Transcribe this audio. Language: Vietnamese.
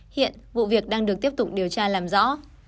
hiện vụ việc đang được tiếp tục điều tra làm rõ